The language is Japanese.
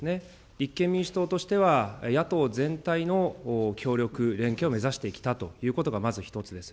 立憲民主党としては、野党全体の協力、連携を目指してきたということがまず一つです。